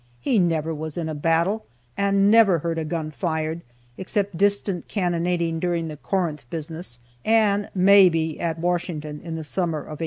He never was in a battle, and never heard a gun fired, except distant cannonading during the Corinth business, and (maybe) at Washington in the summer of 1864.